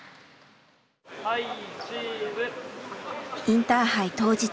インターハイ当日。